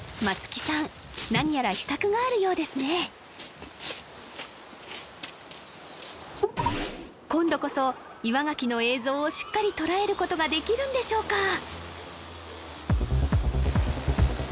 松木さん何やら秘策があるようですね今度こそ岩牡蠣の映像をしっかり捉えることができるんでしょうか？